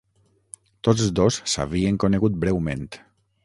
Tots dos s'havien conegut breument.